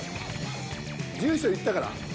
住所言ったから。